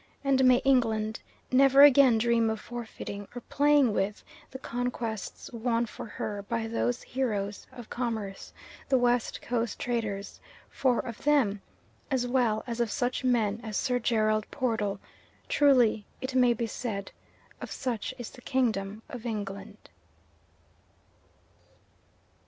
And may England never again dream of forfeiting, or playing with, the conquests won for her by those heroes of commerce, the West Coast traders; for of them, as well as of such men as Sir Gerald Portal, truly it may be said of such is the Kingdom of England.